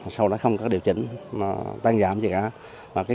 sau đó không có điều chỉnh tăng giảm gì cả